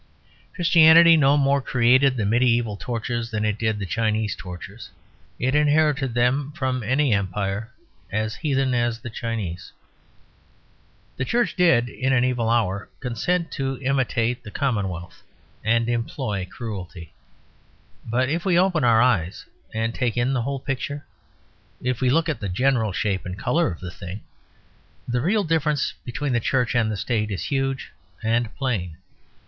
Christianity no more created the mediæval tortures than it did the Chinese tortures; it inherited them from any empire as heathen as the Chinese. The Church did, in an evil hour, consent to imitate the commonwealth and employ cruelty. But if we open our eyes and take in the whole picture, if we look at the general shape and colour of the thing, the real difference between the Church and the State is huge and plain.